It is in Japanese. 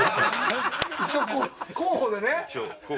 一応、候補でね。